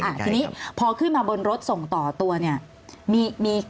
อ่าทีนี้พอขึ้นมาบนรถส่งต่อตัวเนี่ยมีมี